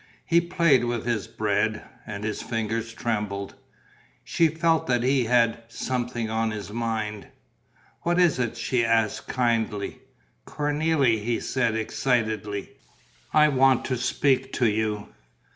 He played with his bread; and his fingers trembled. She felt that he had something on his mind: "What is it?" she asked, kindly. "Cornélie," he said, excitedly, "I want to speak to you."